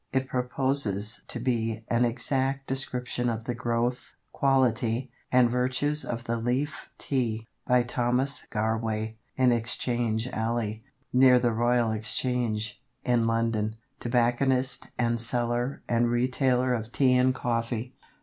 It purposes to be "An exact description of the growth, quality, and virtues of the leaf Tea, by Thomas Garway, in Exchange alley, near the Royal Exchange, in London, Tobacconist and Seller and Retailer of Tea and Coffee."